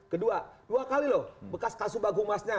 kedua dua kali loh bekas kasubagung masnya